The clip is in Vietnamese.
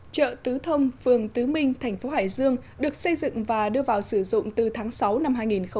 chợ tứ thông phường tứ minh thành phố hải dương được xây dựng và đưa vào sử dụng từ tháng sáu năm hai nghìn một mươi bảy